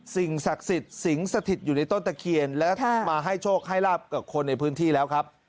สิ่งศักดิ์สิทธิ์สิงสถิตอยู่ในต้นตะเคียนและมาให้โชคให้ลาบกับคนในพื้นที่แล้วครับ